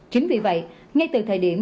chính vì vậy ngay từ thời điểm